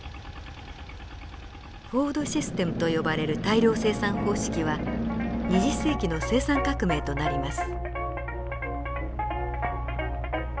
フォード・システムと呼ばれる大量生産方式は２０世紀の生産革命となります。